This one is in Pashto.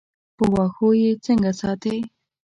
په واښو یې څنګه ساتې.